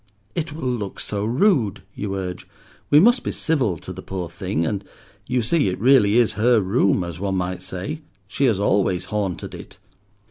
"It will look so rude," you urge. "We must be civil to the poor thing; and you see it really is her room, as one might say. She has always haunted it."